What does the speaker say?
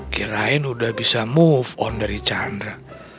kirain udah bisa move on dari chandra